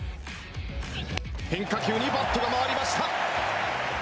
変化球にバットが回りました。